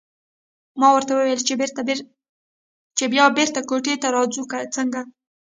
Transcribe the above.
ما ورته وویل چې بیا بېرته کوټې ته راځو که څنګه.